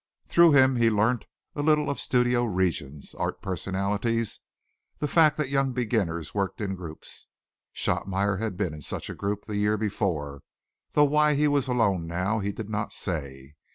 Through him he learnt a little of studio regions, art personalities; the fact that young beginners worked in groups. Shotmeyer had been in such a group the year before, though why he was alone now he did not say.